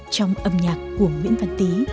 trong âm nhạc của nguyễn văn tý